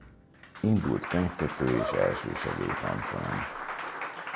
Indult könyvkötő- és elsősegély-tanfolyam.